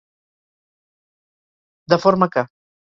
De forma que.